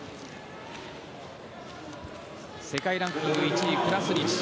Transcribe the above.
世界ランキング１位クラスニチ。